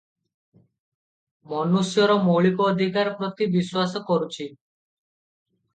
ମନୁଷ୍ୟର ମୌଳିକ ଅଧିକାର ପ୍ରତି ବିଶ୍ୱାସ କରୁଛି ।